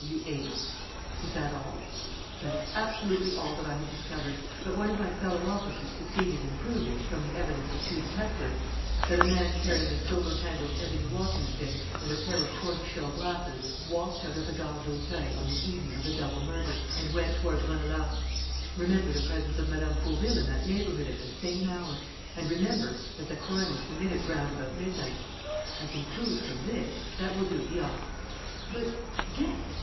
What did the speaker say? W.8." "Is that all?" "That is absolutely all that I have discovered. But one of my fellow officers succeeded in proving, from the evidence of two detectives, that a man carrying a silver handled ebony walking stick and a pair of tortoise shell glasses walked out of the Gare d'Auteuil on the evening of the double murder and went toward Renelagh. Remember the presence of Mme. Fauville in that neighbourhood at the same hour. And remember that the crime was committed round about midnight. I conclude from this " "That will do; be off!" "But " "Get!"